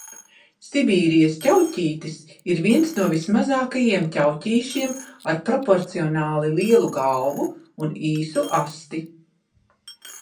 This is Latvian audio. Sibīrijas ķauķītis ir viens no vismazākajiem ķauķīšiem ar proporcionāli lielu galvu un īsu asti.